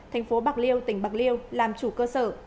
thành phố bạc liêu tỉnh bạc liêu làm chủ cơ sở